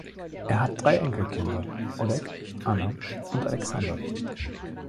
Er hat drei Enkelkinder, Oleg, Anna und Alexander.